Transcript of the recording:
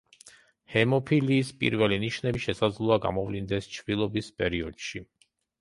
ჰემოფილიის პირველი ნიშნები შესაძლოა გამოვლინდეს ჩვილობის პერიოდში.